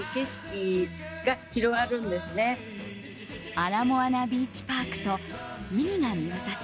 アラモアナビーチパークと海が見渡せ